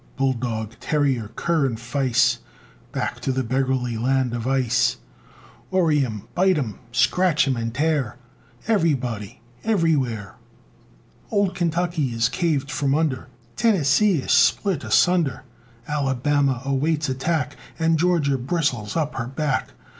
Bull dog, terrier, cur, and fice, Back to the beggarly land of ice; Worry 'em, bite 'em, scratch and tear Everybody and everywhere. Old Kentucky is caved from under, Tennessee is split asunder, Alabama awaits attack, And Georgia bristles up her back.